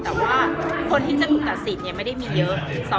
แต่ว่าคนที่จะถูกตัดสิทธิ์ไม่ได้มีเยอะ